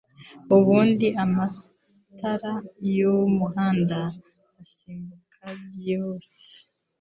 Ubundi amatara yumuhanda asimbuka byihuse